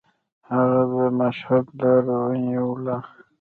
هغه د مشهد لاره ونیوله.